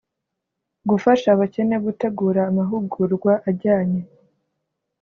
gufasha abakene gutegura amahugurwa ajyanye